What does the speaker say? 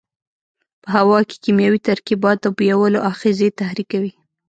په هوا کې کیمیاوي ترکیبات د بویولو آخذې تحریکوي.